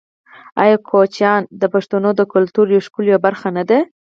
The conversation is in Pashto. آیا کوچیان د پښتنو د کلتور یوه ښکلې برخه نه ده؟